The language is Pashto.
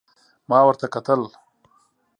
ما ورته کتل ،